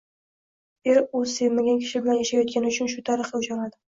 Er o‘zi sevmagan kishi bilan yashayotgani uchun shu tariqa o‘ch oladi.